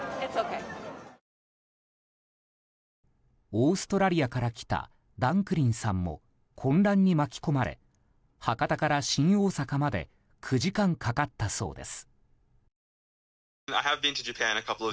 オーストラリアから来たダンクリンさんも混乱に巻き込まれ博多から新大阪まで９時間かかったそうです。